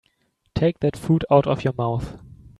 Take that food out of your mouth.